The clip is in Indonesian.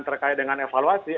terkait dengan evaluasi